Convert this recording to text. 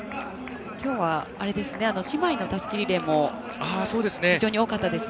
今日は姉妹のたすきリレーも非常に多かったですね。